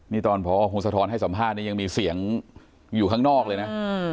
นี่ตอนพอพงศธรให้สัมภาษณ์เนี่ยยังมีเสียงอยู่ข้างนอกเลยนะ